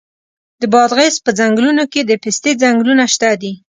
د بادغیس په څنګلونو کې د پستې ځنګلونه شته دي.